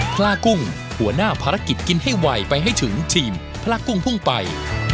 พลากุ้งหัวหน้าภารกิจกินให้ไวไปให้ถึงทีมพลากุ้งพุ่งไป